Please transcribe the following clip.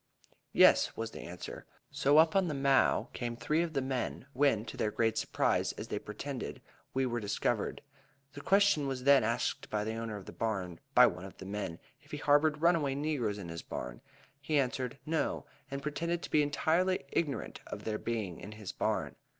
'Yes,' was the answer. So up on the mow came three of the men, when, to their great surprise, as they pretended, we were discovered. The question was then asked the owner of the barn by one of the men, if he harbored runaway negroes in his barn? He answered, 'No,' and pretended to be entirely ignorant of their being in his barn.